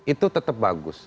itu tetap bagus